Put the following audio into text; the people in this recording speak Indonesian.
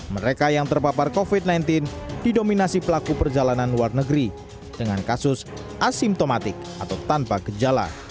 mereka yang terpapar covid sembilan belas didominasi pelaku perjalanan luar negeri dengan kasus asimptomatik atau tanpa gejala